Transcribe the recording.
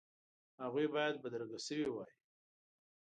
هغوی باید بدرګه شوي وای.